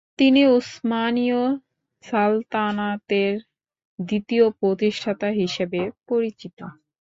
তিনি উসমানীয় সালতানাতের দ্বিতীয় প্রতিষ্ঠাতা হিসেবে পরিচিত।